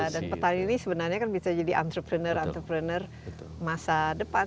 dan petani ini sebenarnya kan bisa jadi entrepreneur entrepreneur masa depan